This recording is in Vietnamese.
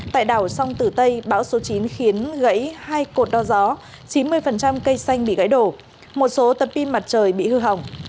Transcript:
tại đảo song tử tây bão số chín khiến gãy hai cột đo gió chín mươi cây xanh bị gãy đổ một số tấm pin mặt trời bị hư hỏng